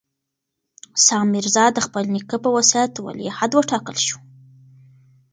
سام میرزا د خپل نیکه په وصیت ولیعهد وټاکل شو.